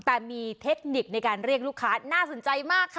แต่มีเทคนิคในการเรียกลูกค้าน่าสนใจมากค่ะ